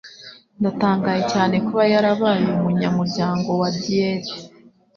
Ndatangaye cyane kuba yarabaye umunyamuryango wa Diet.